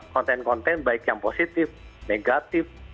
konten konten baik yang positif negatif